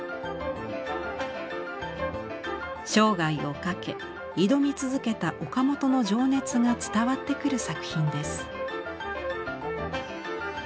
生涯をかけ挑み続けた岡本の情熱が伝わってくる作品です。